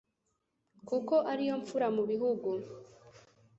kuko ariyo mfura mu bihugu